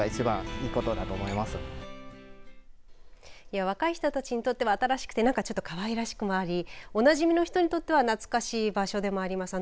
やあ、若い人たちにとっては新しくてなんかちょっとかわいらしくもありおなじみの人にとっては懐かしい場所でもあります。